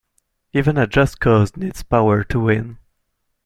Even a just cause needs power to win.